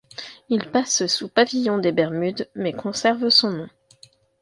Il passe sous pavillon des Bermudes mais conserve son nom.